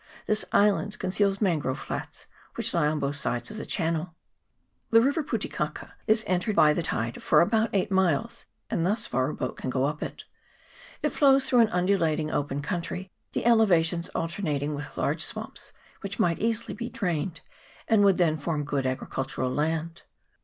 This island conceals mangrove flats, which lie on both sides of the channel. The river Pu te kaka is entered by the tide for about eight miles, and thus far a boat can go up it. It flows through an undulating open country, the elevations alternating with large swamps, which might be easily drained, and would then form good agricultural land.